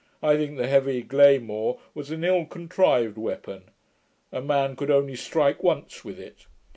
I think the heavy glaymore was an ill contrived weapon. A man could only strike once with it.